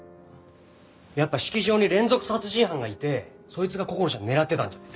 やっぱ式場に連続殺人犯がいてそいつがこころちゃんを狙ってたんじゃない？